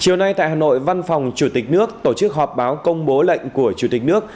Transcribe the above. chiều nay tại hà nội văn phòng chủ tịch nước tổ chức họp báo công bố lệnh của chủ tịch nước